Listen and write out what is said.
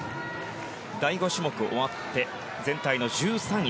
第５種目終わって全体の１３位。